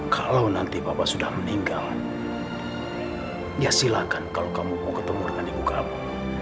kalau nanti bapak sudah meninggal ya silakan kalau kamu mau ketemu dengan ibu kamu